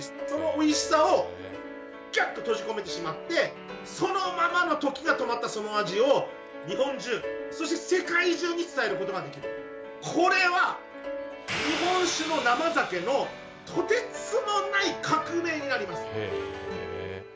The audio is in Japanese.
そのおいしさを、ぎゅっと閉じ込めてしまって、そのままの時が止まったその味を、日本中、そして世界中に伝えることができる、これは日本酒の生酒のとてつもない革命になります。